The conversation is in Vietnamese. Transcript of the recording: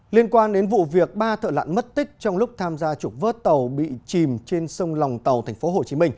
liên quan đến vụ việc ba thợ lãn mất tích trong lúc tham gia trục vớt tàu bị chìm trên sông lòng tàu tp hcm